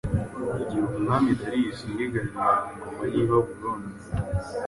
Igihe umwami Dariyusi yigaruriraga ingoma y’i Babuloni,